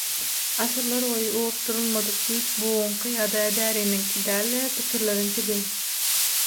Asyrlar boýy ugrukdyrylmadyk güýç buguňky ýa-da däriniňki däl-de pikirleriňkidi.